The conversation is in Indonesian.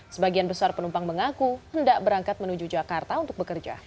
sebagian besar penumpang mengaku hendak berangkat menuju jakarta untuk bekerja